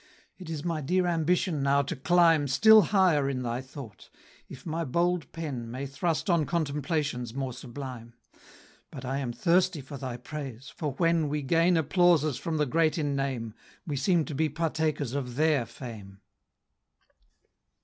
It is my dear ambition now to climb Still higher in thy thought, if my bold pen May thrust on contemplations more sublime. But I am thirsty for thy praise, for when We gain applauses from the great in name, We seem to be partakers of their fame.